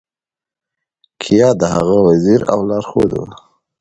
چാണکیا د هغه وزیر او لارښود و.